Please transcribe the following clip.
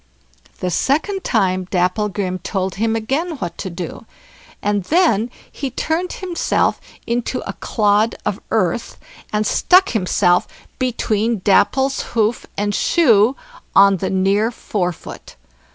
The second time Dapplegrim told him again what to do; and then he turned himself into a clod of earth, and stuck himself between Dapple's hoof and shoe on the near forefoot.